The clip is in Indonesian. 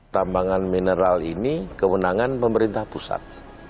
tambangan mineral ini kewenangan pemerintah pusat